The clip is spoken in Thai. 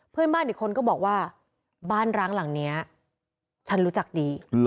เพื่อนบ้านอีกคนก็บอกว่าบ้านร้างหลังนี้ฉันรู้จักดี